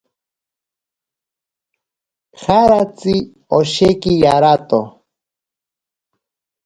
Jaratsi osheki yarato.